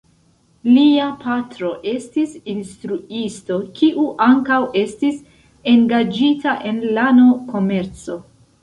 Lia patro estis instruisto, kiu ankaŭ estis engaĝita en lano-komerco.